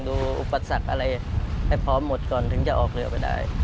อุปสรรคอะไรให้พร้อมหมดก่อนถึงจะออกเรือไปได้